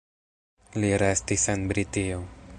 Li restis en Britio.